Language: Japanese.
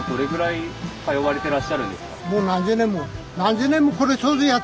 もう何十年も。